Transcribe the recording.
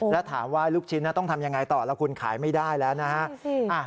แล้วถามว่าลูกชิ้นต้องทำยังไงต่อแล้วคุณขายไม่ได้แล้วนะฮะ